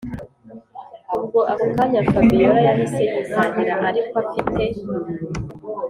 ubwo ako kanya fabiora yahise yitahira ariko afite